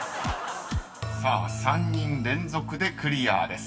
［さあ３人連続でクリアです］